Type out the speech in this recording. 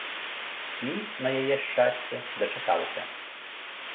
І, на яе шчасце, дачакалася.